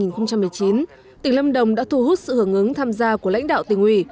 tỉnh lâm đồng đã thu hút sự hướng ứng tham gia của lãnh đạo tỉnh ủy